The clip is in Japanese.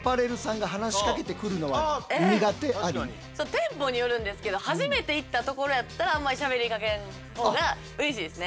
店舗によるんですけど初めて行ったところやったらあんまりしゃべりかけんほうがうれしいですね。